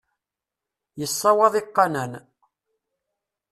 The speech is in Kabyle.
Yessawaḍ iqannan.